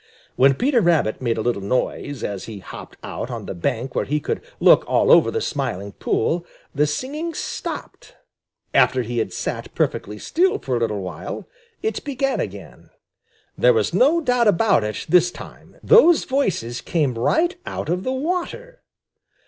When Peter Rabbit made a little noise, as he hopped out on the bank where he could look all over the Smiling Pool, the singing stopped. After he had sat perfectly still for a little while, it began again. There was no doubt about it this time; those voices came right out of the water.